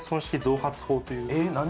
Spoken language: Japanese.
えっ何？